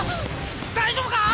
大丈夫か！